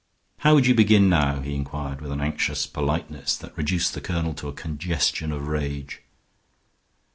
"How would you begin now?" he inquired, with an anxious politeness that reduced the colonel to a congestion of rage.